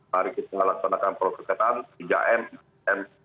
mari kita laksanakan prosesan tiga m lima m